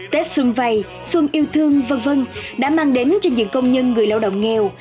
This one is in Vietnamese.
tết xuân vầy xuân yêu thương vân vân đã mang đến cho những công nhân người lao động nghèo